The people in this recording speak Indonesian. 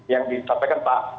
yang disampaikan pak